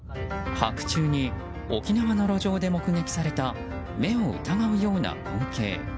白昼に沖縄の路上で目撃された目を疑うような光景。